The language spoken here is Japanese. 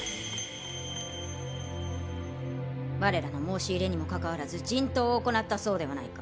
我らの申し入れにもかかわらず人痘を行ったそうではないか！